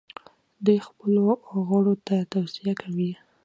دوی خپلو غړو ته توصیه کوي.